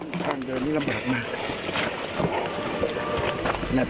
แค่ทางเดินมันลำบากมาก